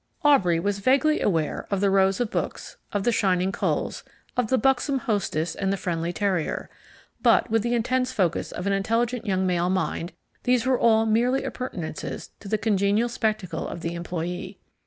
Aubrey was vaguely aware of the rows of books, of the shining coals, of the buxom hostess and the friendly terrier; but with the intense focus of an intelligent young male mind these were all merely appurtenances to the congenial spectacle of the employee.